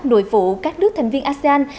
nội vụ các nước thành viên asean